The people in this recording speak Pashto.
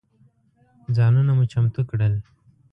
ځانونه مو چمتو کړل.